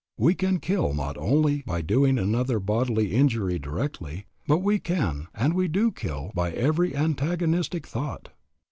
We can kill not only by doing another bodily injury directly, but we can and we do kill by every antagonistic thought.